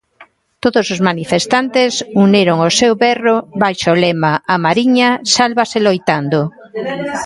Todos os manifestantes uniron o seu berro baixo o lema "A Mariña sálvase loitando".